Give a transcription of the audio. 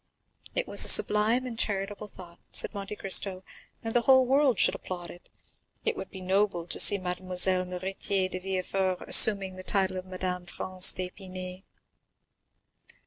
"It was a sublime and charitable thought," said Monte Cristo, "and the whole world should applaud it. It would be noble to see Mademoiselle Noirtier de Villefort assuming the title of Madame Franz d'Épinay."